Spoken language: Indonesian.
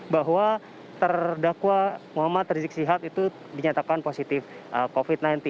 bahwa terdakwa muhammad rizik sihab itu dinyatakan positif covid sembilan belas